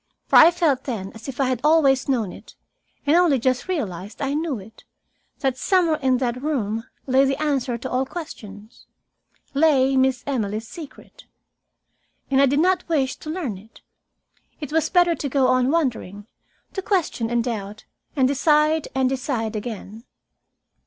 For I felt then as if I had always known it and only just realized I knew it, that somewhere in that room lay the answer to all questions; lay Miss Emily's secret. And I did not wish to learn it. It was better to go on wondering, to question and doubt and decide and decide again.